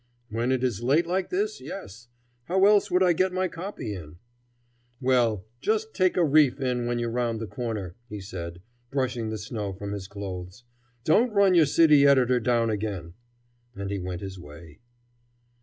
"When it is late like this, yes. How else would I get my copy in?" "Well, just take a reef in when you round the corner," he said, brushing the snow from his clothes. "Don't run your city editor down again." And he went his way.